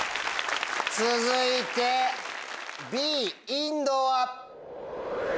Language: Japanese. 続いてＢ「インド」は？